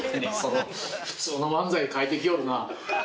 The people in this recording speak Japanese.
何、普通の漫才書いてきよるな。